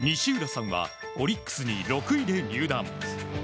西浦さんはオリックスに６位で入団。